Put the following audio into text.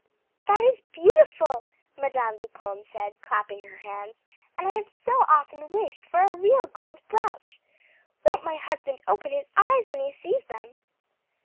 "That is beautiful," Madam Vipon said, clapping her hands; "and I have so often wished for a real gold broach! Won't my husband open his eyes when he sees them!"